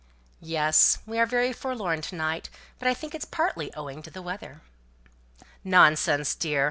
"Yes! We are very forlorn to night; but I think it's partly owing to the weather!" "Nonsense, dear.